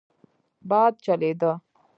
باد چلېده.